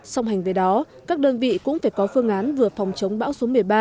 song hành với đó các đơn vị cũng phải có phương án vừa phòng chống bão số một mươi ba